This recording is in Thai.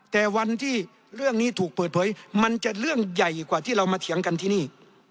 แต่วันที่เรื่องนี้ถูกเปิดเผยมันจะเรื่องใหญ่กว่าที่เรามาเถียงกันที่นี่